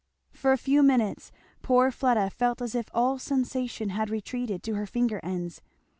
For a few minutes poor Fleda felt as if all sensation had retreated to her finger ends.